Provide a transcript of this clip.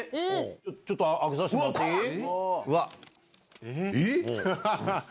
ちょっと開けさせてもらってえっ？